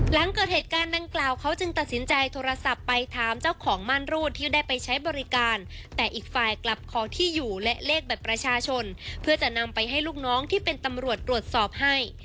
หลังเกิดเหตุการณ์ดังกล่าวเขาจึงตัดสินใจโทรศัพท์ไปถามเจ้าของม่านรูดที่ได้ไปใช้บริการแต่อีกฝ่ายกลับขอที่อยู่และเลขบัตรประชาชนเพื่อจะนำไปให้ลูกน้องที่เป็นตำรวจตรวจสอบให้